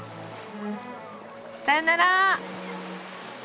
さよなら。